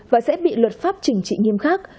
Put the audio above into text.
và sẽ bị luật pháp chỉnh trị nghiêm khắc